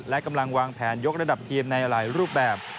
และกำลังวางแผนยกระดับทีมในหลายรูปแบบ